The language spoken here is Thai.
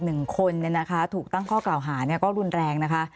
หนึ่งคนเนี่ยนะคะถูกตั้งข้อกล่าวหาก็รุนแรงนะคะ